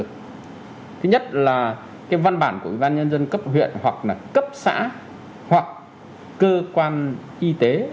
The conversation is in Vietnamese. thứ nhất là cái văn bản của ubnd cấp huyện hoặc là cấp xã hoặc cơ quan y tế